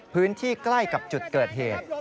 พื้นที่ใกล้กับจุดเกิดเหตุ